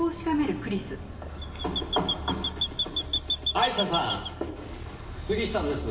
アイシャさん杉下です。